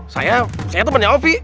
saya saya temannya ovi